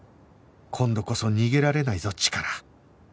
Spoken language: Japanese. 今度こそ逃げられないぞチカラ